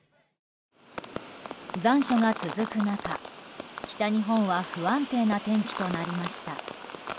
残暑が続く中、北日本は不安定な天気となりました。